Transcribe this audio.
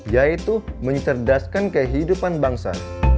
yaitu menyeterdaskan kehidupan bangsa